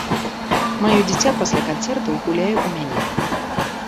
Маё дзіця пасля канцэртаў гуляе ў мяне.